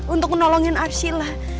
untuk menolongin archila